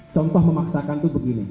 contoh memaksakan itu begini